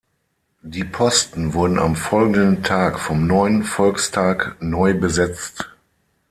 Die Posten wurden am folgenden Tag vom neuen Volkstag neu besetzt.